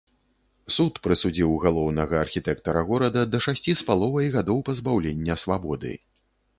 Суд прысудзіў галоўнага архітэктара горада да шасці з паловай гадоў пазбаўлення свабоды.